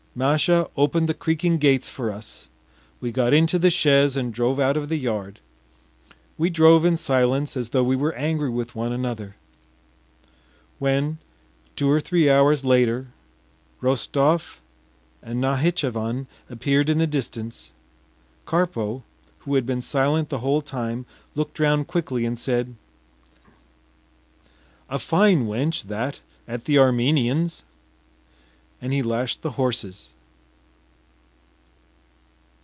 Masha opened the creaking gates for us, we got into the chaise and drove out of the yard. We drove in silence as though we were angry with one another. When, two or three hours later, Rostov and Nahitchevan appeared in the distance, Karpo, who had been silent the whole time, looked round quickly, and said: “A fine wench, that at the Armenian’s.” And he lashed his horses.